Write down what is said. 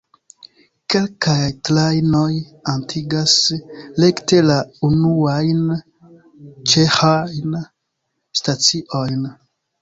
Kelkaj trajnoj atingas rekte la unuajn ĉeĥajn staciojn.